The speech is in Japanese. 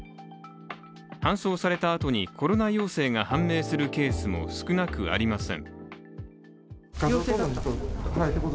搬送されたあとに、コロナ陽性が判明するケースも少なくありません。